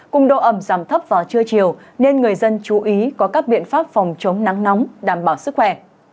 cùng độ ẩm giảm thấp vào trưa chiều nên người dân chú ý có các biện pháp phòng chống nắng nóng đảm bảo sức khỏe